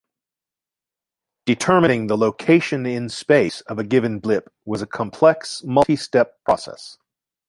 Determining the location in space of a given blip was a complex multi-step process.